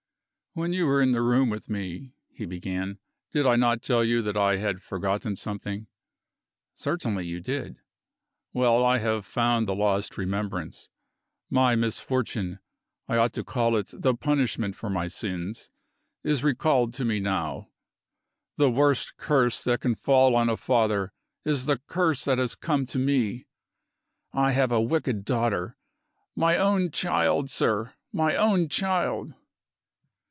"When you were with me in my room," he began, "did I not tell you that I had forgotten something?" "Certainly you did." "Well, I have found the lost remembrance. My misfortune I ought to call it the punishment for my sins, is recalled to me now. The worst curse that can fall on a father is the curse that has come to me. I have a wicked daughter. My own child, sir! my own child!"